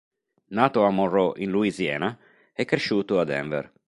Nato a Monroe in Louisiana, è cresciuto a Denver.